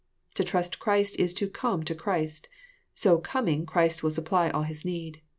To trust Christ is to " come " to Christ. — So coming," Christ will supply all his need.